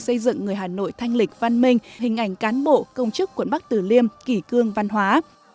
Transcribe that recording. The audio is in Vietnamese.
xây dựng người hà nội thanh lịch văn minh hình ảnh cán bộ công chức quận bắc tử liêm kỷ cương văn hóa